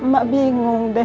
hai mbak bingung deh